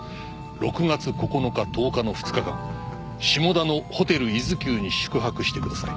「６月９日・１０日の２日間下田のホテル伊豆急に宿泊してください」